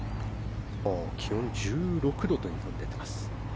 気温は１６度と出ています。